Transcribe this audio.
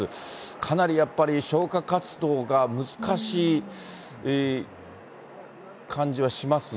かなりやっぱり、消火活動が難しい感じはしますね。